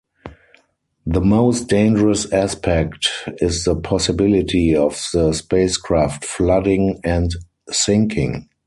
The most dangerous aspect is the possibility of the spacecraft flooding and sinking.